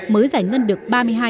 mới giải ngân được ba mươi hai hai